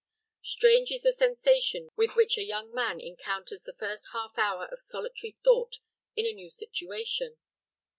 Strange is the sensation with which a young man encounters the first half hour of solitary thought in a new situation.